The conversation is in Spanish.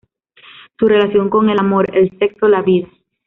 Su relación con el amor, el sexo, la vida.